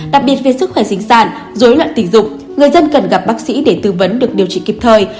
đặc biệt về sức khỏe sinh sản dối loạn tình dục người dân cần gặp bác sĩ để tư vấn được điều trị kịp thời